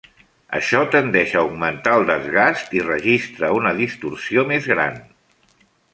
Això tendeix a augmentar el desgast i registra una distorsió més gran.